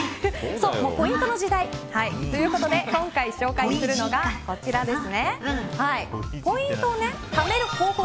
そう、ポイントの時代。ということで今回紹介するのがこちらです。